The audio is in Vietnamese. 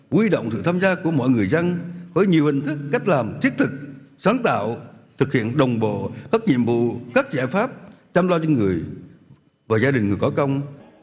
quy động sự tham gia của mọi người dân với nhiều hình thức cách làm thiết thực sáng tạo thực hiện đồng bộ các nhiệm vụ các giải pháp chăm lo cho người và gia đình người có công